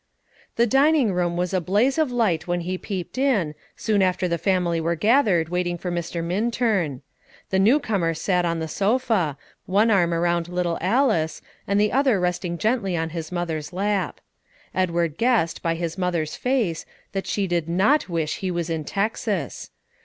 The dining room was a blaze of light when he peeped in, soon after the family were gathered waiting for Mr. Minturn. The newcomer sat on the sofa, one arm a round little Alice, and the other resting gently on his mother's lap. Edward guessed, by his mother's face, that she did not wish he was in Texas.